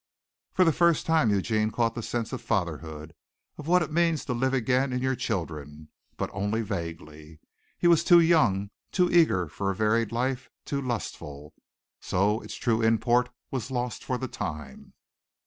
For the first time Eugene caught the sense of fatherhood, of what it means to live again in your children, but only vaguely. He was too young, too eager for a varied life, too lustful. So its true import was lost for the time.